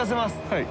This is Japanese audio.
はい。